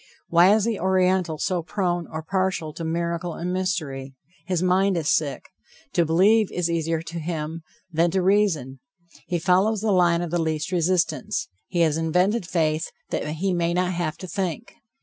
Why is the Oriental so prone or partial to miracle and mystery? His mind is sick. To believe is easier to him than to reason. He follows the line of the least resistance: he has invented faith that he may not have to think.